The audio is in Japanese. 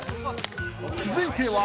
［続いては］